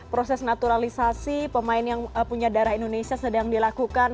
proses naturalisasi pemain yang punya darah indonesia sedang dilakukan